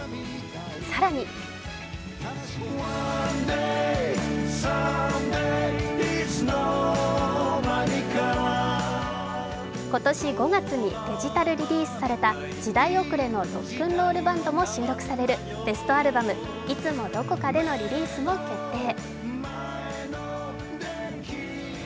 更に今年５月にデジタルリリースされた「時代遅れのＲｏｃｋ’ｎ’ＲｏｌｌＢａｎｄ」も収録されるベストアルバム「いつも何処かで」のリリースも決定。